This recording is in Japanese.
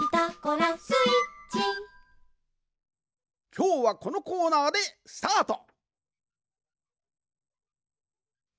きょうはこのコーナーでスタート。